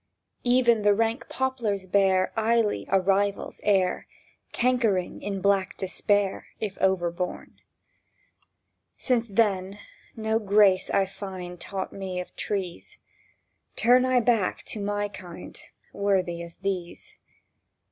Even the rank poplars bear Illy a rival's air, Cankering in black despair If overborne. Since, then, no grace I find Taught me of trees, Turn I back to my kind, Worthy as these.